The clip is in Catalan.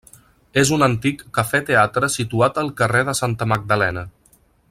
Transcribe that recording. És un antic cafè-teatre situat al carrer de Santa Magdalena.